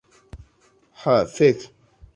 Ha fek'